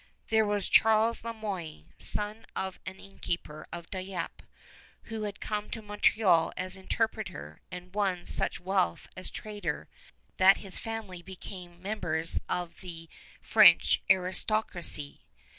There was Charles Le Moyne, son of an innkeeper of Dieppe, who had come to Montreal as interpreter and won such wealth as trader that his family became members of the French aristocracy.